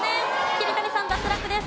桐谷さん脱落です。